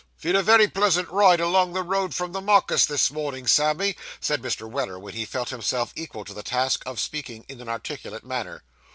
Ve'd a wery pleasant ride along the road from the Markis this mornin', Sammy,' said Mr. Weller, when he felt himself equal to the task of speaking in an articulate manner.